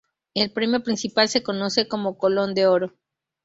El premio principal se conoce como Colón de Oro.